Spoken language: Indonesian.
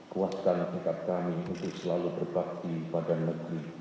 kuatkan akikat kami untuk selalu berbakti pada negeri